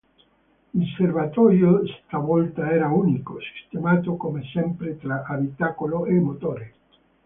Il serbatoio stavolta era unico, sistemato come sempre tra abitacolo e motore.